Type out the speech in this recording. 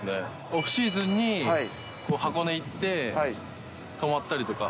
オフシーズンに箱根行って、泊まったりとか。